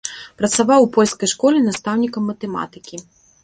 Працаваў у польскай школе настаўнікам матэматыкі.